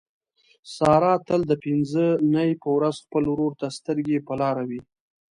ساره تل د پینځه نۍ په ورخ خپل ورور ته سترګې په لاره وي.